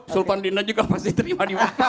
sultan dina juga pasti terima